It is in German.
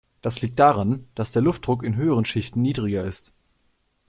Das liegt daran, dass der Luftdruck in höheren Schichten niedriger ist.